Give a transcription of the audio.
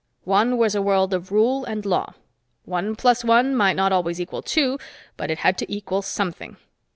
One was a world of rule and law. One plus one might not always equal two, but it had to equal something.